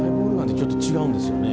ちょっと違うんですよね